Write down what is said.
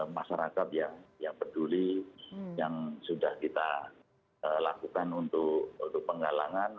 masyarakat yang peduli yang sudah kita lakukan untuk penggalangan